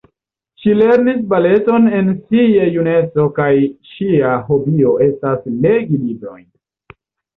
Ŝi lernis baleton en sia juneco kaj ŝia hobio estas legi librojn.